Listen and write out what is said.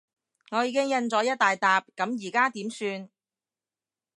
我已經印咗一大疊，噉而家點算？